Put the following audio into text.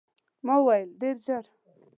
ما وویل، ډېر ژر.